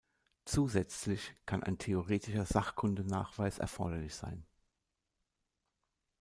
Zusätzlich kann ein theoretischer Sachkundenachweis erforderlich sein.